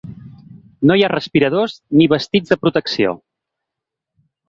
No hi ha respiradors ni vestits de protecció.